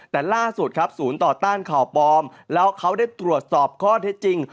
แต่ล่าสุดครับศูนย์ต่อต้านข่าวปลอมแล้วเขาได้ตรวจสอบข้อเท็จจริง